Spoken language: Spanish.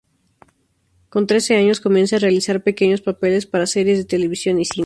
Con trece años comienza a realizar pequeños papeles para series de televisión y cine.